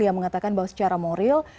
yang mengatakan bahwa secara moral